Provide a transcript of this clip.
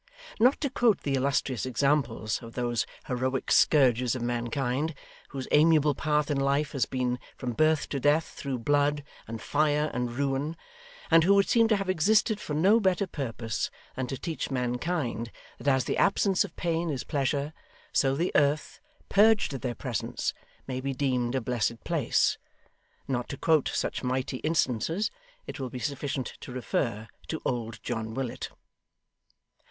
Not to quote the illustrious examples of those heroic scourges of mankind, whose amiable path in life has been from birth to death through blood, and fire, and ruin, and who would seem to have existed for no better purpose than to teach mankind that as the absence of pain is pleasure, so the earth, purged of their presence, may be deemed a blessed place not to quote such mighty instances, it will be sufficient to refer to old John Willet.